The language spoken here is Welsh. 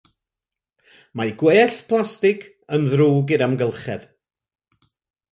Mae gwellt plastig yn ddrwg i'r amgylchedd.